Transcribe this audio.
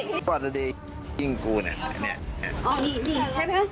พอเจ้าหน้าที่ยิงกูเนี่ยนี่นี่ใช่ไหม